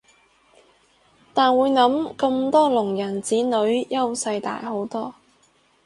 但會諗咁多聾人子女優勢大好多